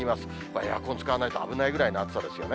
エアコン使わないと危ないぐらいの暑さですよね。